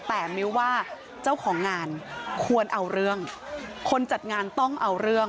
แต่มิ้วว่าเจ้าของงานควรเอาเรื่องคนจัดงานต้องเอาเรื่อง